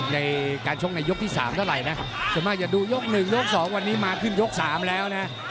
ในการชกในยกที่สามเท่าไรนะสำหรับจะดูยกหนึ่งยกสองวันนี้มาขึ้นยกสามแล้วนะ